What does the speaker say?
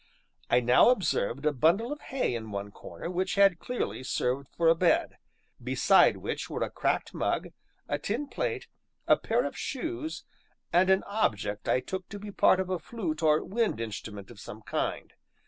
I now observed a bundle of hay in one corner, which had clearly served for a bed, beside which were a cracked mug, a tin plate, a pair of shoes, and an object I took to be part of a flute or wind instrument of some kind.